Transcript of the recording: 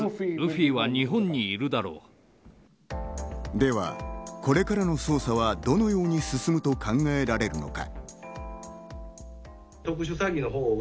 では、これからの捜査はどのように進むと考えられるのか？